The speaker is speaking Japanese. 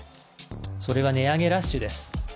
それは値上げラッシュです。